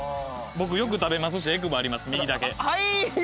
僕よく食べますしエクボあります右だけ。